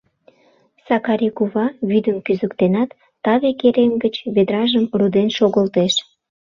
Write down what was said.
Сакари кува вӱдым кӱзыктенат, таве керем гыч ведражым руден шогылтеш.